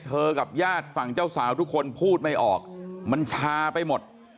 กับญาติฝั่งเจ้าสาวทุกคนพูดไม่ออกมันชาไปหมด